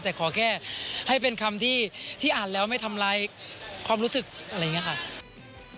แต่ขอแค่ให้เป็นคำที่อ่านแล้วไม่ทำร้ายความรู้สึกอะไรอย่างนี้ค่ะ